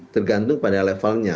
tergantung pada levelnya